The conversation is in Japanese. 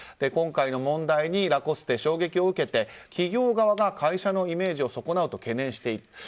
今回の問題にラコステ、衝撃を受けて企業側が会社のイメージを損なうと懸念している。